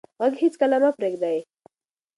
غږ هېڅکله مه پرېږدئ.